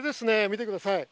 見てください。